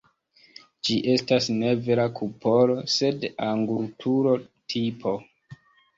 Ĝi estas ne vera kupolo, sed angulturo-tipo.